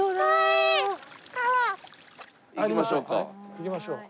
行きましょうか。